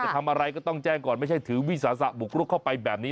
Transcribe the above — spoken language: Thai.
ทำอะไรก็ต้องแจ้งก่อนไม่ใช่ถือวิสาสะบุกรุกเข้าไปแบบนี้